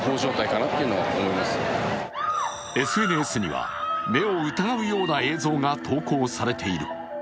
ＳＮＳには、目を疑うような映像が投稿されている。